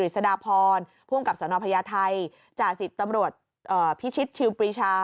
ไทยองค์กำส่งปุ๊ยจะสำหรับปรับพิชิดชิวปริชา